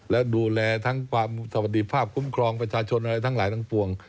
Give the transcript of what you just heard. และดูแลทั้งความสวัสดีภาพคุ้มครองประชาชนอะไรทั้งหลายทั้งปวง